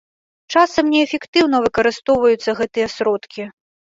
Часам неэфектыўна выкарыстоўваюцца гэтыя сродкі.